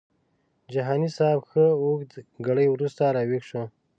جهاني صاحب ښه اوږد ګړی وروسته راویښ شو.